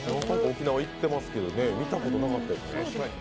沖縄、行ってますけど見たことなかったです。